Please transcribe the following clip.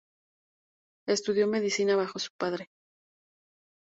Estudió medicina bajo su padre.